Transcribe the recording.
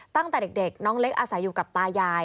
ตั้งแต่เด็กน้องเล็กอาศัยอยู่กับตายาย